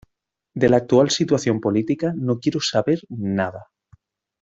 De la actual situación política no quiero saber nada.